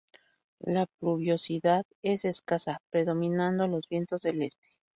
La pluviosidad es escasa predominando los vientos del este.